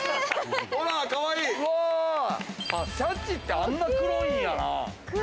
シャチって、あんな黒いんやな。